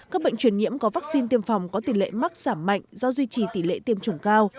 các bệnh truyền nhiễm có vaccine tiêm phòng có tỷ lệ mắc giảm mạnh do duy trì tỷ lệ tiêm chủng cao